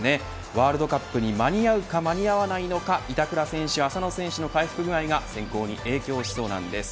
ワールドカップに間に合うか間に合わないのか板倉選手、浅野選手の回復具合が選考に影響しそうです。